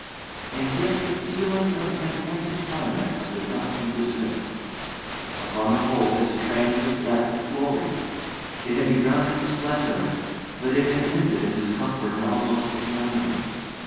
And yet the feeling of an anticlimax would not be dismissed. Upon the whole, his transit lacked glory. It had begun in splendour, but it had ended in discomfort and almost ignominy.